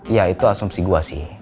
ya itu asumsi gua sih